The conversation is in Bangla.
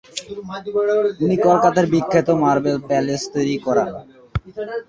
উনি কলকাতার বিখ্যাত মার্বেল প্যালেস তৈরী করান।